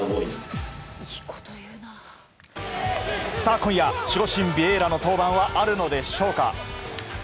今夜、守護神ビエイラの登板はあるのでしょうか。